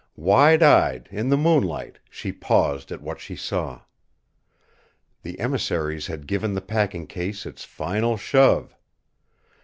Wide eyed, in the moonlight, she paused at what she saw. The emissaries had given the packing case its final shove.